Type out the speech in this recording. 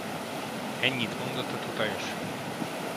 Ennyit mondott a tutajos.